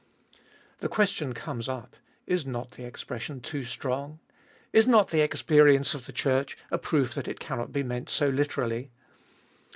The question comes up, Is not the expression too strong? Is not the experience of the Church a proof that it cannot be meant so literally